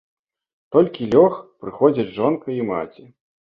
Толькі лёг, прыходзяць жонка і маці.